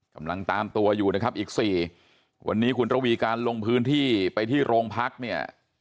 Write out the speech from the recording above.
กำลังตามตัวอยู่นะครับอีกสี่วันนี้คุณระวีการลงพื้นที่ไปที่โรงพักเนี่ย